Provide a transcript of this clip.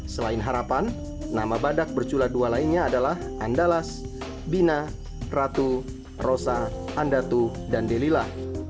selain harapan nama badak bercula dua lainnya adalah andalas bina ratu rosa andatu dan delila